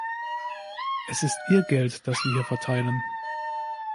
Es ist ihr Geld, das wir hier verteilen.